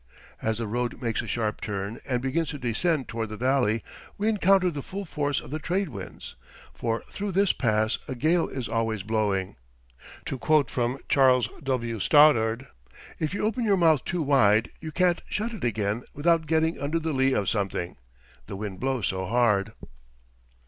As the road makes a sharp turn and begins to descend toward the valley, we encounter the full force of the trade winds, for through this pass a gale is always blowing. To quote from Charles W. Stoddard, "If you open your mouth too wide, you can't shut it again without getting under the lee of something the wind blows so hard."